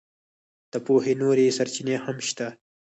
د پوهې نورې سرچینې هم شته.